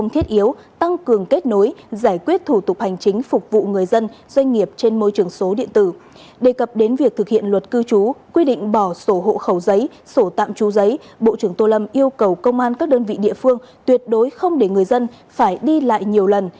đề cập đến việc thực hiện luật cư trú quy định bỏ sổ hộ khẩu giấy sổ tạm trú giấy bộ trưởng tô lâm yêu cầu công an các đơn vị địa phương tuyệt đối không để người dân phải đi lại nhiều lần